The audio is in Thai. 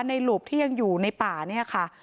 หลุบที่ยังอยู่ในป่าเนี่ยค่ะ